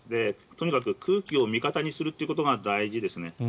とにかく空気を味方にするということが大事ですね。